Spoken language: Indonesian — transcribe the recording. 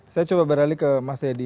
saya coba beralih ke mas edi